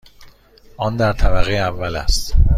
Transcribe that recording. آن در طبقه اول است.